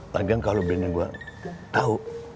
lagian kalau bini gue tau